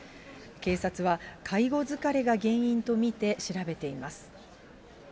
警察は、介護疲れが原因と見て調べています。